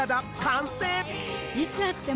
いつ会っても。